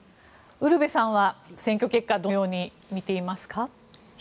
ウルヴェさんは選挙結果どのように見ていますか？